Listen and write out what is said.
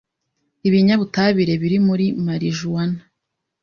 Ibinyabutabire biri muri marijuana